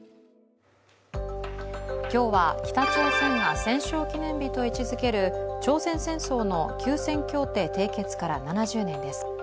今日は北朝鮮が戦勝記念日と位置づける朝鮮戦争の休戦協定締結から７０年です。